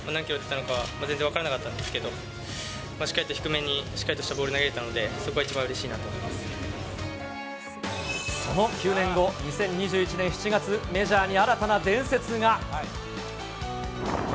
いやいや、全然いいんじゃなすごいざわめいてたので、何キロ出たのか全然分からなかったんですけど、しっかりと低めにしっかりとしたボールを投げれたので、そこは一番うれしいなと思その９年後、２０２１年７月、メジャーに新たな伝説が。